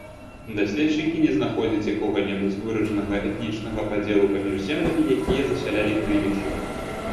Даследчыкі не знаходзіць якога-небудзь выражанага этнічнага падзелу паміж землямі, якія засялялі крывічы.